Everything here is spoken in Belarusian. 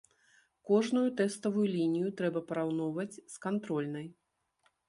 Кожную тэставую лінію трэба параўноўваць з кантрольнай.